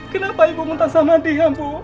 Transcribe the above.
kenapa ibu minta sama dia bu